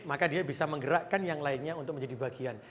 maka dia bisa menggerakkan yang lainnya untuk menjadi bagian